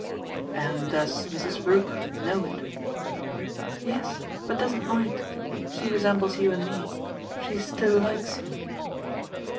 "And does Mrs. Brook know it?" "Yes, but doesn't mind. She resembles you and me. She 'still likes' him."